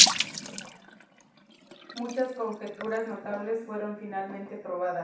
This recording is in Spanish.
Muchas conjeturas notables fueron finalmente probadas.